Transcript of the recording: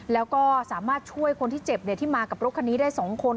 แล้วก็สามารถช่วยคนที่เจ็บที่มากับรถคันนี้ได้๒คน